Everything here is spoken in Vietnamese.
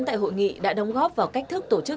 tại hội nghị đã đóng góp vào cách thức tổ chức